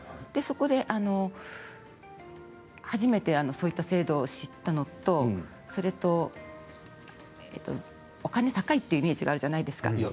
そこで、初めてそういった制度を知ったのとそれと、お金高いっていうイメージがあるじゃないですか。